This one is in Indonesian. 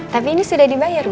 tapi ini sudah dibayar